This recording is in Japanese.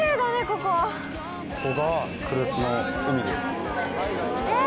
ここが。え！